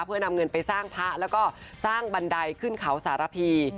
เพื่อนำเงินไปสร้างพระแล้วก็สร้างบันไดขึ้นเขาสารพี